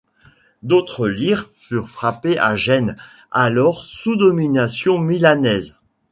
D'autres lires furent frappées à Gênes, alors sous domination milanaise.